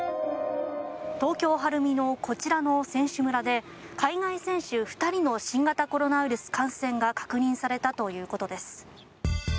東京・晴海のこちらの選手村で海外選手２人の新型コロナウイルス感染が確認されたということです。